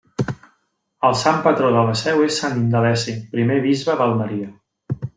El sant patró de la seu es Sant Indaleci, primer bisbe d'Almeria.